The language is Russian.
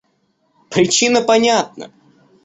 Причина понятна.